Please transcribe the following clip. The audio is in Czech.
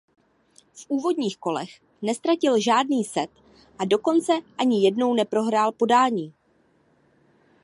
V úvodních kolech neztratil žádný set a dokonce ani jednou neprohrál podání.